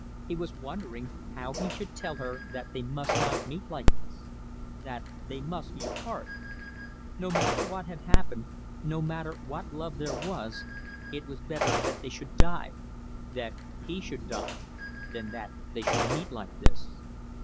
He was wondering how he should tell her that they must not meet like this, that they must be apart. No matter what had happened, no matter what love there was, it was better that they should die that he should die than that they should meet like this.